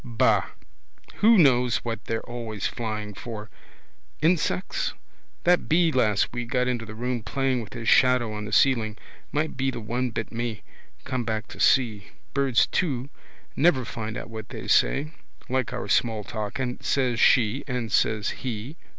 Ba. Who knows what they're always flying for. Insects? That bee last week got into the room playing with his shadow on the ceiling. Might be the one bit me, come back to see. Birds too. Never find out. Or what they say. Like our small talk. And says she and says he.